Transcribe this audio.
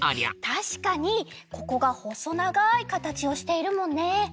たしかにここがほそながいかたちをしているもんね。